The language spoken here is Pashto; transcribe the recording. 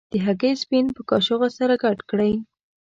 د هګۍ سپین په کاشوغه سره ګډ کړئ.